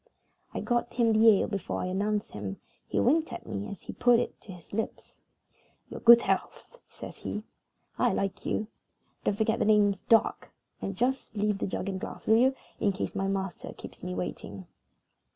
I got him the ale before I announced him. He winked at me as he put it to his lips. "Your good health," says he. "I like you. Don't forget that the name's Dark; and just leave the jug and glass, will you, in case my master keeps me waiting."